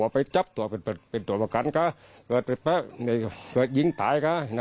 เพราะว่ากหกลูนะครับ